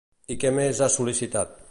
I què més ha sol·licitat?